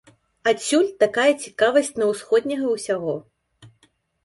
Адсюль такая цікавасць на усходняга ўсяго.